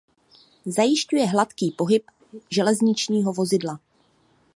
Zajišťuje hladký pohyb železničního vozidla.